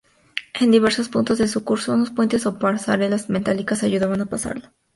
En diversos puntos de su curso unos puentes o pasarelas metálicas ayudaban a pasarlo.